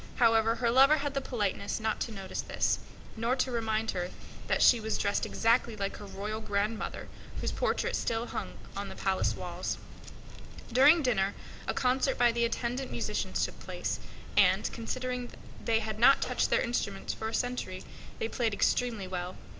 However, her lover had the politeness not to notice this, nor to remind her that she was dressed exactly like his grandmother whose portrait still hung on the palace walls. During dinner a concert by the attendant musicians took place, and, considering they had not touched their instruments for a century, they played the old tunes extremely well.